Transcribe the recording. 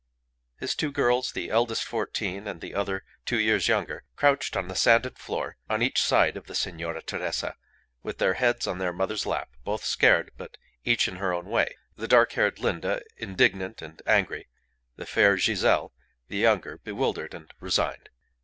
His two girls, the eldest fourteen, and the other two years younger, crouched on the sanded floor, on each side of the Signora Teresa, with their heads on their mother's lap, both scared, but each in her own way, the dark haired Linda indignant and angry, the fair Giselle, the younger, bewildered and resigned.